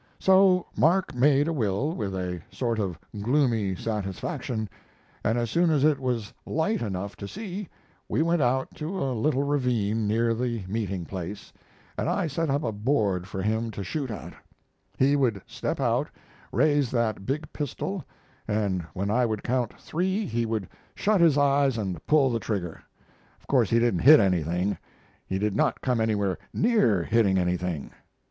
So Mark made a will with a sort of gloomy satisfaction, and as soon as it was light enough to see, we went out to a little ravine near the meeting place, and I set up a board for him to shoot at. He would step out, raise that big pistol, and when I would count three he would shut his eyes and pull the trigger. Of course he didn't hit anything; he did not come anywhere near hitting anything.